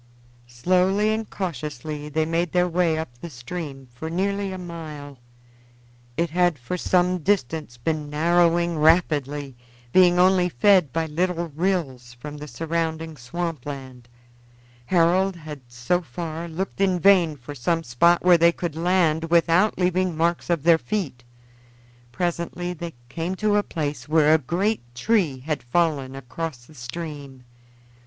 Slowly and cautiously they made their way up the stream for nearly a mile. It had for some distance been narrowing rapidly, being only fed by little rills from the surrounding swamp land. Harold had so far looked in vain for some spot where they could land without leaving marks of their feet. Presently they came to a place where a great tree had fallen across the stream.